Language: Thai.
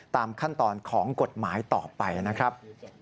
ตามขั้นตอนของกฎหมายต่อไปนะครับ